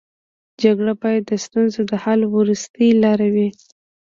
جګړه باید د ستونزو د حل وروستۍ لاره وي